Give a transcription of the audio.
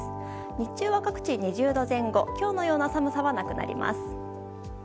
日中は各地２０度前後今日のような寒さはなくなります。